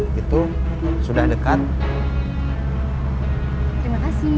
agak kunjungan dalam tempat ber "